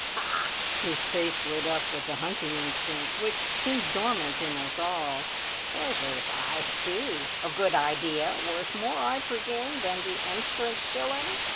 "Ha!" His face lit up with the hunting instinct, which seems dormant in us all. "Treasures I see! A good idea. Worth more, I presume, than the entrance shilling?"